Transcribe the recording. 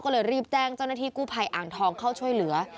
ก็เลยรีบแจ้งเจ้าหน้าที่กู้ภัยอ่างทองเข้าช่วยเหลือ